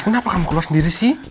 kenapa kamu keluar sendiri sih